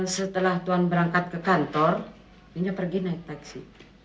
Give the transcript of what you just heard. setelah tuhan berangkat ke kantor dia pergi naik taksi